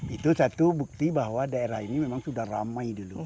itu satu bukti bahwa daerah ini memang sudah ramai dulu